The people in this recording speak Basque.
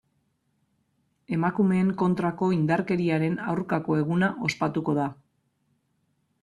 Emakumeen kontrako indarkeriaren aurkako eguna ospatuko da.